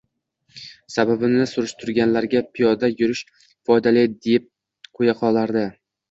Sababini surishtirganlarga, piyoda yurish foydali, deb qo`ya qolardi